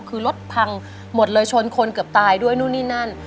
คือรถพังหมดเลยชนคนเกือบตายด้วยนู่นนี่นั่น